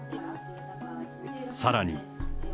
さらに。